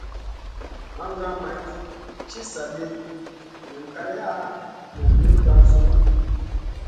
Makŋa may ci sa ɗi nan kaleya nen min gangsunu.